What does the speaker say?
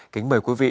kính mời quý vị